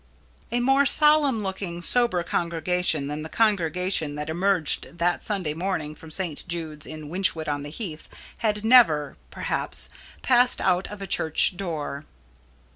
A more solemn looking, sober congregation than the congregation that emerged that Sunday morning from St. Jude's in Wychwood on the Heath had never, perhaps, passed out of a church door.